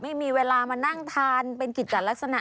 ไม่มีเวลามานั่งทานเป็นกิจจัดลักษณะ